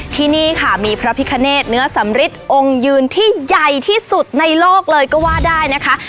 ที่นี่ค่ะมีพระพิคเนตเนื้อสำริทองค์ยืนที่ใหญ่ที่สุดในโลกเลยก็ว่าได้นะคะ